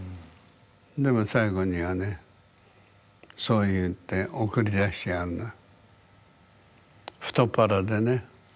でも最後にはねそう言って送り出してやるのよ。